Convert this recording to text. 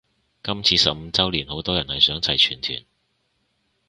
今次十五周年好多人係想齊全團